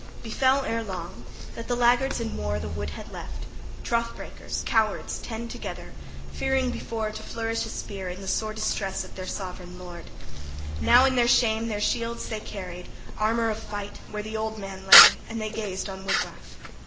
Befell erelong that the laggards in war the wood had left, trothbreakers, cowards, ten together, fearing before to flourish a spear in the sore distress of their sovran lord. Now in their shame their shields they carried, armor of fight, where the old man lay; and they gazed on Wiglaf.